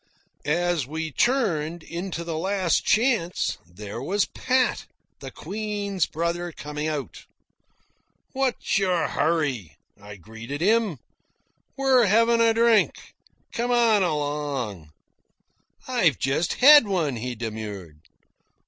As we turned into the Last Chance, there was Pat, the Queen's brother, coming out. "What's your hurry?" I greeted him. "We're having a drink. Come on along." "I've just had one," he demurred.